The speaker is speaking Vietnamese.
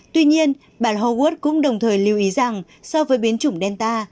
tuy nhiên bà huốt cũng đồng thời lưu ý rằng so với biến chủng delta